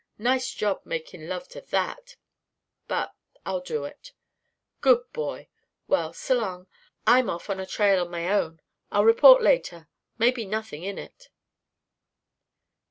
Nice job, making love to that. But I'll do it." "Good boy. Well, s'long. I'm off on a trail of my own. I'll report later. May be nothing in it."